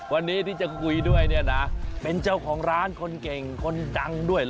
วันนี้ที่จะคุยด้วยเนี่ยนะเป็นเจ้าของร้านคนเก่งคนดังด้วยเหรอ